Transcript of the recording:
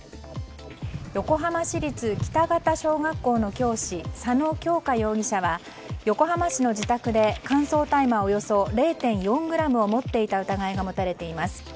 横浜市立北方小学校の教師佐野杏佳容疑者は横浜市の自宅で乾燥大麻およそ０．４ｇを持っていた疑いが持たれています。